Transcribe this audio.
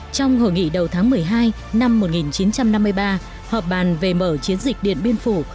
trong hội nghị đầu tháng một mươi hai năm một nghìn chín trăm năm mươi ba họp bàn về mở chiến dịch điện biên phủ